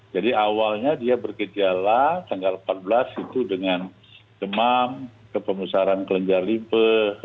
jadi awalnya dia bergejala tanggal empat belas itu dengan demam kepemusaran kelenjar lipe